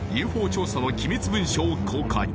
ＵＦＯ調査の機密文書を公開！